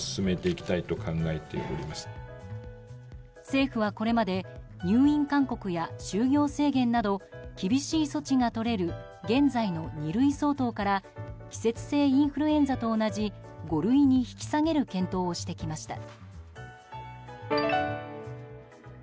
政府はこれまで入院勧告や就業制限など厳しい措置がとれる現在の二類相当から季節性インフルエンザと同じ五類に引き下げる検討をしてきました。